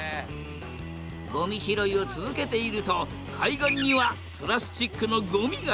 ごみ拾いを続けていると海岸にはプラスチックのごみがたくさん！